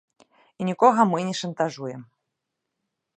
І нікога мы не шантажуем!